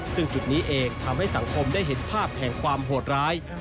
ซึ่งจุดนี้เองทำให้สังคมได้เห็นภาพแห่งความโหดร้าย